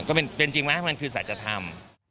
ก็เป็นจริงไหมมันคือสัจธรรม